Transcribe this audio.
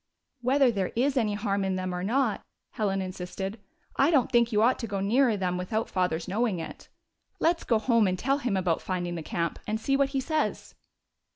" Whether there is any harm in them or not," Helen insisted, " I don't think you ought to go nearer them without father's knowing it. Let's go home and tell him about finding the camp, and see what he says."